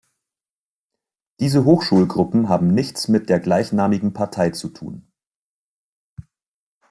Diese Hochschulgruppen haben nichts mit der gleichnamigen Partei zu tun.